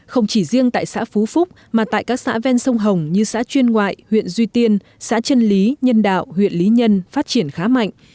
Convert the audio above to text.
không chỉ riêng tại xã phú phúc mà tại các xã ven sông hồng như xã chuyên ngoại huyện duy tiên xã trân lý nhân đạo huyện lý nhân phát triển khá mạnh